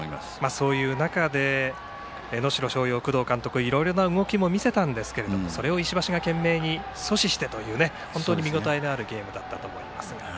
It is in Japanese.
そういう中で、能代松陽の工藤監督はいろいろな動きも見せたんですがそれを石橋が懸命に阻止してという本当に見応えのあるゲームだったと思います。